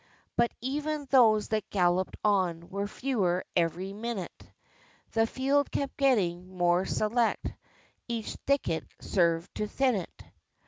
But even those that galloped on Were fewer every minute, The field kept getting more select, Each thicket served to thin it.